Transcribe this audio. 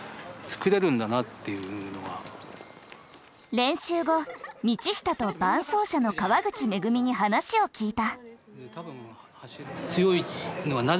練習後道下と伴走者の河口恵に話を聞いた。